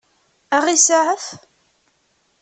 Ad ɣ-iseɛef?